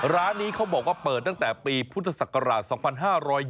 ร้านนี้เขาบอกว่าเปิดตั้งแต่ปีพุทธศักราช๒๕๒๒